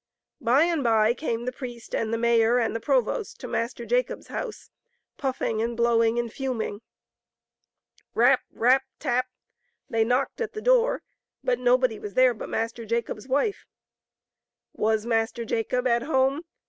By and by came the priest and the mayor and the provost to Master Jacob's house, puffing and blowing and fuming. Rap ! rap ! tap ! they knocked at the door, but nobody was there but Master Jacob's wife. Was Master Jacob at home?